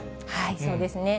そうですね。